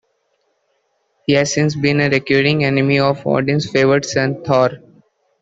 He has since been a recurring enemy of Odin's favored son, Thor.